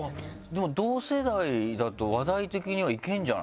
でも同世代だと話題的にはいけるんじゃないですか？